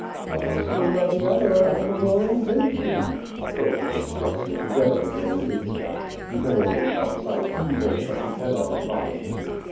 "Why, she will love the other all the more intensely." "Go to destruction, together with your lubystka. You can only prophecy evil, but you cannot advise me."